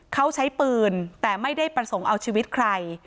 เขาใช้ปืนแต่ไม่ได้ประสงค์เอาชีวิตใคร